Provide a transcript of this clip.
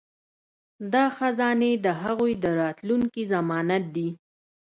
دا خزانې د هغوی د راتلونکي ضمانت دي.